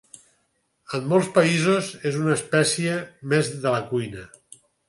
En molts països, és una espècia més de la cuina.